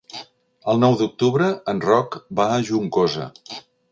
El nou d'octubre en Roc va a Juncosa.